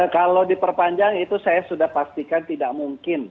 kalau diperpanjang itu saya sudah pastikan tidak mungkin